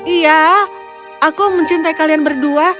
iya aku mencintai kalian berdua